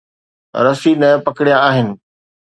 رسي نه پڪڙيا آهن.